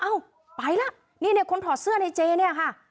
อ้าวไปล่ะเนี้ยเนี้ยคนถอดเสื้อในเจนี่อ่ะค่ะ